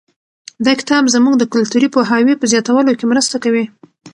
دا کتاب زموږ د کلتوري پوهاوي په زیاتولو کې مرسته کوي.